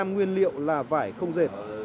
hơn một trăm linh kg nguyên liệu là vải không dệt